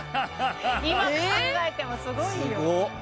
今考えてもすごいよ。